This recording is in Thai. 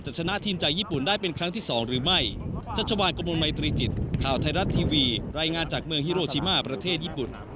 ชนะทีมใจญี่ปุ่นได้เป็นครั้งที่๒หรือไม่